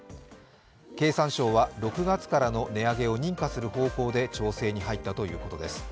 経産省は６月からの値上げを認可する方向で調整に入ったということです。